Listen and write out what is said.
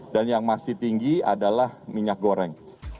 dan yang masih tinggi adalah minyak goreng